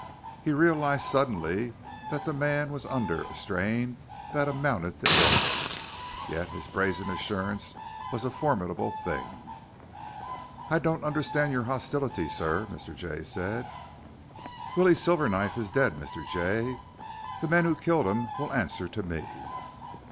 He realized suddenly that the man was under a strain that amounted to illness. Yet his brazen assurance was a formidable thing. "I don't understand your hostility, sir," Mr. Jay said. "Willie Silverknife is dead, Mr. Jay. The men who killed him will answer to me."